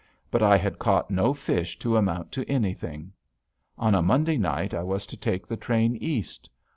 But I had caught no fish to amount to anything. On a Monday night I was to take the train East.